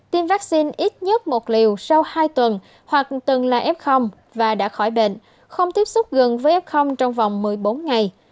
tiêm vaccine ít nhất một liều sau hai tuần hoặc từng là f và đã khỏi bệnh không tiếp xúc gần với f trong vòng một mươi bốn ngày